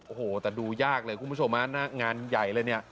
โอ้โหแต่ดูยากเลยคุณผู้ชมฮะหน้างานใหญ่เลยเนี่ย